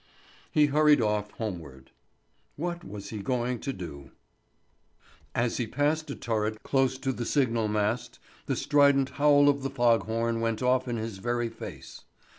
He hurried off homeward. What was he going to do? As he passed a turret close to the signal mast the strident howl of the fog horn went off in his very face.